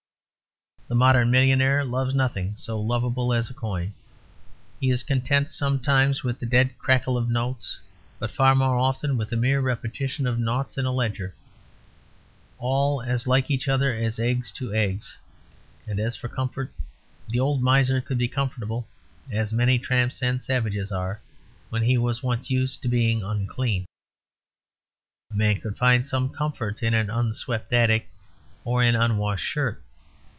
The modern millionaire loves nothing so lovable as a coin. He is content sometimes with the dead crackle of notes; but far more often with the mere repetition of noughts in a ledger, all as like each other as eggs to eggs. And as for comfort, the old miser could be comfortable, as many tramps and savages are, when he was once used to being unclean. A man could find some comfort in an unswept attic or an unwashed shirt.